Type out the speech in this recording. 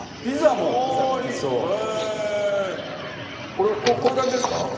これはこういう感じですか？